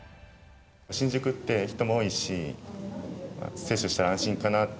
新宿って人も多いし、接種して安心かなって。